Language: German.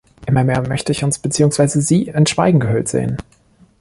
Immer mehr möchte ich uns beziehungsweise Sie in Schweigen gehüllt sehen.